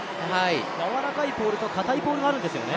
やわらかいポールとかたいポールがあるんですね。